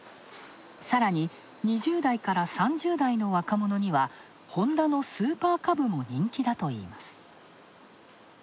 さらに、２０代から３０代の若者には、ホンダのスーパーカブも人気だといいます。